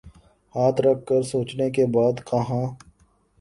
ہاتھ رکھ کر سوچنے کے بعد کہا۔